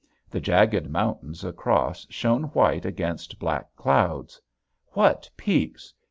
The jagged mountains across shone white against black clouds, what peaks!